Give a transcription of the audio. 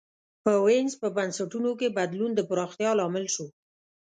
په وینز په بنسټونو کې بدلون د پراختیا لامل شو.